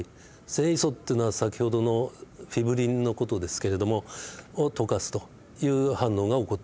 線維素というのは先ほどのフィブリンの事ですけれどもを溶かすという反応が起こってきます。